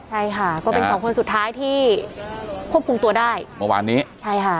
ใช่ค่ะก็เป็นสองคนสุดท้ายที่ควบคุมตัวได้เมื่อวานนี้ใช่ค่ะ